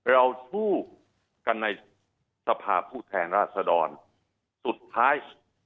เราสู้กันในสภาพผู้แทนราษดรสุดท้าย